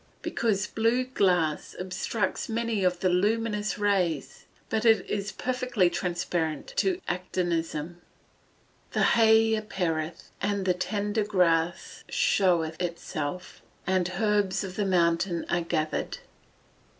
_ Because blue glass obstructs many of the luminous rays, but it is perfectly transparent to actinism. [Verse: "The hay appeareth, and the tender grass showeth itself, and herbs of the mountain are gathered."